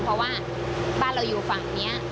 เพราะว่าบ้านเราอยู่ฝั่งนี้